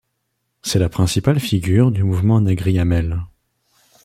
C'est la principale figure du mouvement Nagriamel.